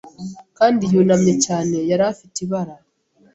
Kandi yunamye cyane yari afite ibara